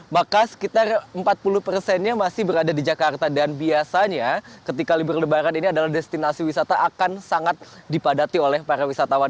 maka sekitar empat puluh persennya masih berada di jakarta dan biasanya ketika libur lebaran ini adalah destinasi wisata akan sangat dipadati oleh para wisatawan